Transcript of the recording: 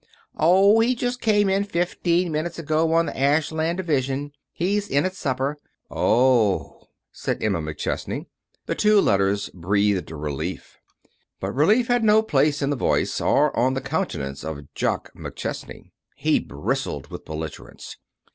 "Oh, he just came in fifteen minutes ago on the Ashland division. He's in at supper." "Oh," said Emma McChesney. The two letters breathed relief. But relief had no place in the voice, or on the countenance of Jock McChesney. He bristled with belligerence.